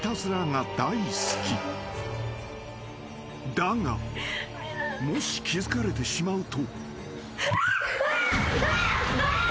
［だがもし気付かれてしまうと］